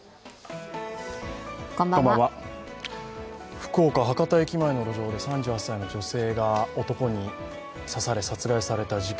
福岡・博多駅前の路上で３８歳の女性が男に刺され、殺害された事件。